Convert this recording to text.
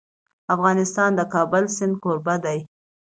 افغانستان د د کابل سیند کوربه دی.